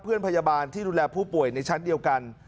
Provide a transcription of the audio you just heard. พยาบาลที่ดูแลผู้ป่วยในชั้นเดียวกัน